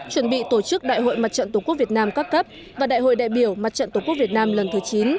chuẩn bị tổ chức đại hội mặt trận tổ quốc việt nam các cấp và đại hội đại biểu mặt trận tổ quốc việt nam lần thứ chín